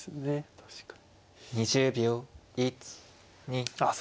確かに。